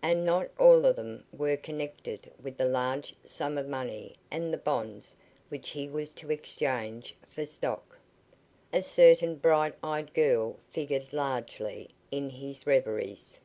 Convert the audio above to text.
And not all of them were connected with the large sum of money and the bonds which he was to exchange for stock. A certain bright eyed girl figured largely in his reveries.